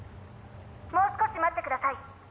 もう少し待ってください。